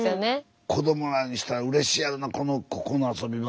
子どもらにしたらうれしいやろなここのあそび場。